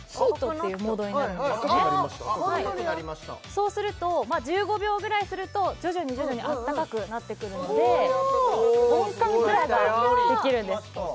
そうすると１５秒ぐらいすると徐々に徐々に温かくなってくるので温感ケアができるんですなってきた